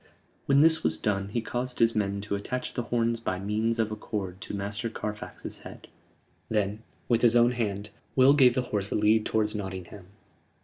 When this was done he caused his men to attach the horns by means of a cord to Master Carfax's head; then, with his own hand, Will gave the horse a lead towards Nottingham.